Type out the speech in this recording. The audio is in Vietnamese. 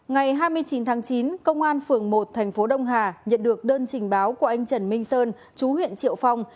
ngày hai mươi chín tháng chín công an phường một thành phố đông hà nhận được đơn trình báo của anh trần minh sơn chú huyện triệu phong